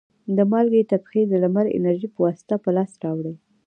د مالګې تبخیر د لمر د انرژي په واسطه په لاس راوړي.